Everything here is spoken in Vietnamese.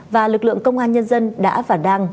và lực lượng công an nhân dân đã và đang